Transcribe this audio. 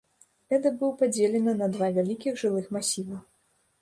Эда быў падзелены на два вялікіх жылых масівы.